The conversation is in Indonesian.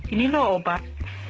ini loh obat